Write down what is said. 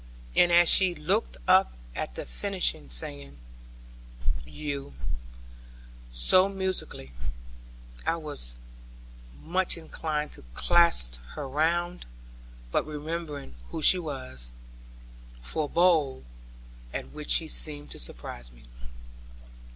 And as she looked up at the finish, saying, 'you,' so musically, I was much inclined to clasp her round; but remembering who she was, forbore; at which she seemed surprised with me.